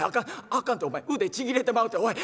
あかんてお前腕ちぎれてまうておい。